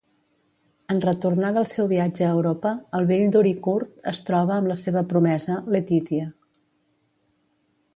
En retornar del seu viatge a Europa, el bell Doricourt es troba amb la seva promesa, Letitia.